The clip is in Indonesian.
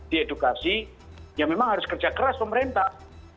diedukasi ya memang harus kerja keras pemerintah